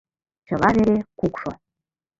Чыла вере кукшо.